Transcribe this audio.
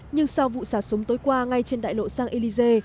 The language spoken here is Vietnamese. nhưng sau vụ xả súng tối qua ngay trên đại lộ sang elize